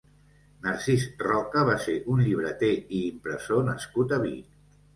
Narcís Roca va ser un llibreter i impressor nascut a Vic.